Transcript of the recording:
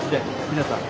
皆さん。